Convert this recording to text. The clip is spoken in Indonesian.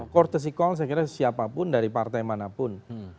courtesi call saya kira siapapun dari partai manapun